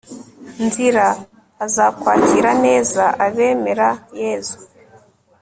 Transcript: nzira ; azakwakira neza. abemera yezu